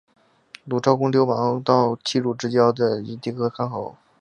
鲁昭公流亡到齐鲁之交的郓地和干侯。